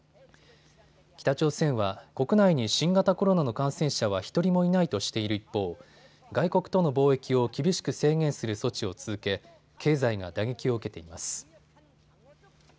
北朝鮮は国内に新型コロナの感染者は１人もいないとしている一方、外国との貿易を厳しく制限する措置を続け経済が打撃を受けています。